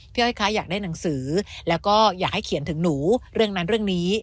อ้อยคะอยากได้หนังสือแล้วก็อยากให้เขียนถึงหนูเรื่องนั้นเรื่องนี้